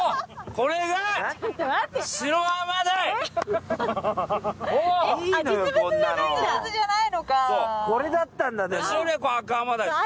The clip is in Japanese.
これだったんだでも。